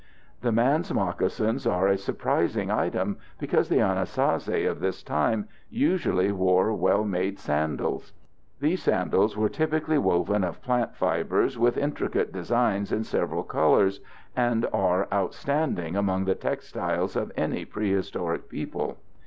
The man's moccasins are a surprising item, because the Anasazi of this time usually wore well made sandals. These sandals were typically woven of plant fibers with intricate designs in several colors, and are outstanding among the textiles of any prehistoric people.